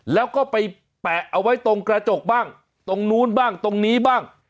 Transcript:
แล้วก็ไปแปะเอาไว้ตรงกระจกบ้างตรงนู้นบ้างตรงนี้บ้าง